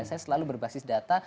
saya selalu berbasis data